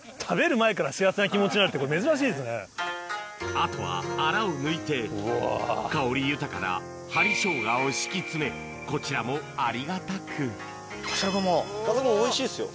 あとはアラを抜いて香り豊かな針生姜を敷き詰めこちらもありがたくおいしいですよ。